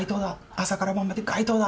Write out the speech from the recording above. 朝から晩まで街頭だ！」